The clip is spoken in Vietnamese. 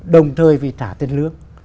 đồng thời vì trả tiền lương